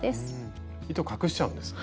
糸隠しちゃうんですね。